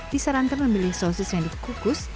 disarankan memilih sosis yang dikukus